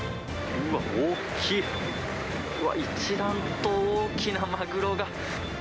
うわっ、一段と大きなマグロが。